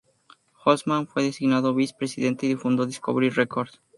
Holzman fue designado vice presidente y fundó Discovery Records.